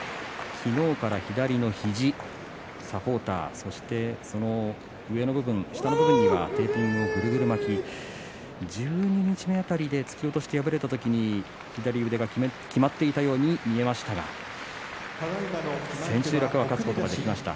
昨日から左の肘、サポーターそしてその下の部分、上の部分にはテーピングを、ぐるぐる巻き十二日目辺りに突き落としで敗れた辺り、左腕がきまっていたように見えましたが千秋楽は勝つことができました。